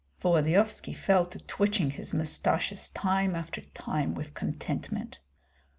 Volodyovski fell to twitching his mustaches time after time with contentment.